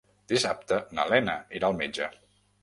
Dissabte na Lena irà al metge.